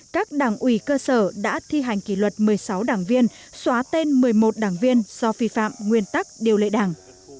các đảng ủy cơ sở đã thi hành kỷ luật một mươi sáu đảng viên xóa tên một mươi một đảng viên do vi phạm nguyên tắc điều lệ đảng